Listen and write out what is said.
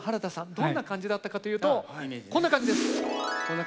どんな感じだったかというとこんな感じです。